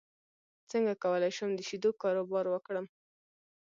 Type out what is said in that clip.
څنګه کولی شم د شیدو کاروبار وکړم